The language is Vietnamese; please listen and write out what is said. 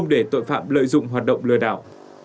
đảm lợi dụng hoạt động lừa đảo